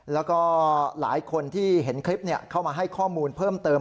แล้วก็หลายคนที่เห็นคลิปเข้ามาให้ข้อมูลเพิ่มเติม